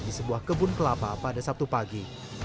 di sebuah kebun kelapa pada sabtu pagi